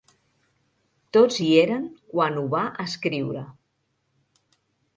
Tots hi eren quan ho va escriure.